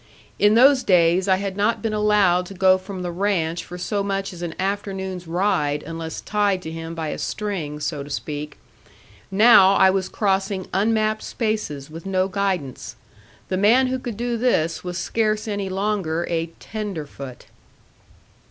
In those days I had not been allowed to go from the ranch for so much as an afternoon's ride unless tied to him by a string, so to speak; now I was crossing unmapped spaces with no guidance. The man who could do this was scarce any longer a "tenderfoot."